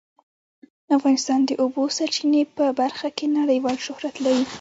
افغانستان د د اوبو سرچینې په برخه کې نړیوال شهرت لري.